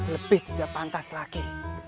lebih tidak pantas lagi